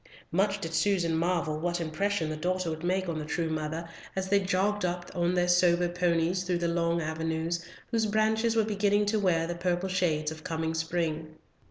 Much did Susan marvel what impression the daughter would make on the true mother as they jogged up on their sober ponies through the long avenues, whose branches were beginning to wear the purple shades of coming spring.